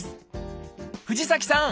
藤崎さん